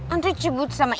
antar jemput sama